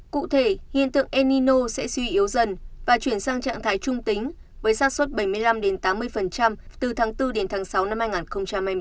cụ thể hiện tượng enino sẽ suy yếu dần và chuyển sang trạng thái trung tính với sát xuất bảy mươi năm tám mươi từ tháng bốn đến tháng sáu năm hai nghìn hai mươi